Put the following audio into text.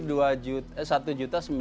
sudah berapa kira kira abonemen